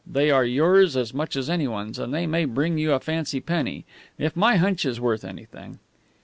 They are yours as much as any one's, and they may bring you a fancy penny if my hunch is worth anything.